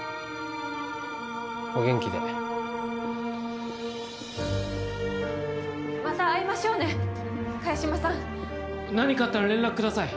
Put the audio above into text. お元気でまた会いましょうね萱島さん何かあったら連絡ください